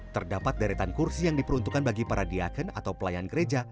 terdapat deretan kursi yang diperuntukkan bagi para diaken atau pelayan gereja